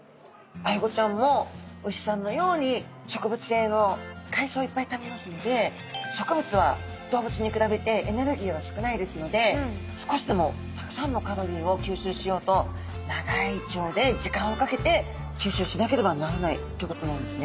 アイゴちゃんも牛さんのように植物性の海藻をいっぱい食べますので植物は動物に比べてエネルギーが少ないですので少しでもたくさんのカロリーを吸収しようと長い腸で時間をかけて吸収しなければならないということなんですね。